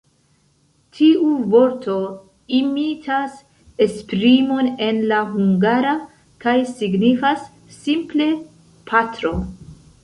Tiu vorto imitas esprimon en la hungara, kaj signifas simple “patro”.